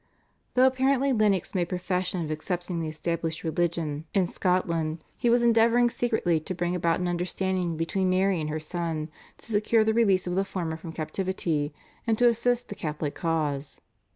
Though apparently Lennox made profession of accepting the established religion in Scotland, he was endeavouring secretly to bring about an understanding between Mary and her son, to secure the release of the former from captivity, and to assist the Catholic cause.